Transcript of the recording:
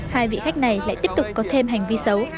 hai vị khách này lại tiếp tục có thêm hành vi xấu